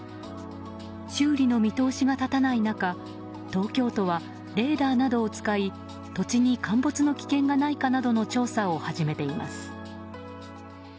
修理の見通しが立たない中東京都はレーダーなどを使い土地に陥没の危険がないかなどの調査を始めています。